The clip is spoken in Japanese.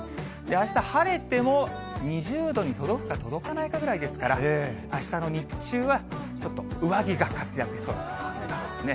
あした晴れても２０度に届くか届かないかぐらいですから、あしたの日中は、ちょっと上着が活躍しそうですね。